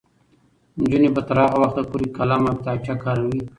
نجونې به تر هغه وخته پورې قلم او کتابچه کاروي.